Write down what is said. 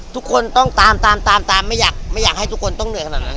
ทุกคนต้องตามตามตามตามไม่อยากไม่อยากให้ทุกคนต้องเหนื่อยขนาดนั้น